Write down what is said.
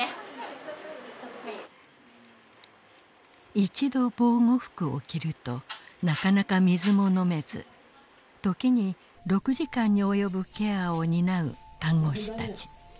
一度防護服を着るとなかなか水も飲めず時に６時間に及ぶケアを担う看護師たち。